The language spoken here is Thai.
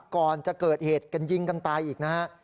ก่อนจะเกิดเหตุกันยิงกันตายอีกนะฮะ